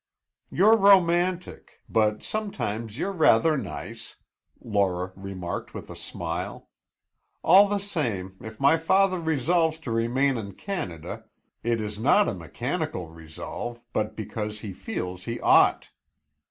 "You're romantic, but sometimes you're rather nice," Laura remarked with a smile. "All the same, if my father resolves to remain in Canada, it is not a mechanical resolve but because he feels he ought."